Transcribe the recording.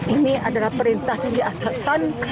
ini adalah perintah di atasan